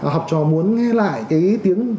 học trò muốn nghe lại cái tiếng